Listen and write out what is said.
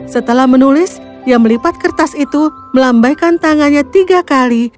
setelah menulis ia melipat kertas itu melambaikan tangannya tiga kali